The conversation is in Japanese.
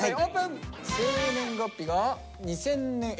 生年月日が２０００年え！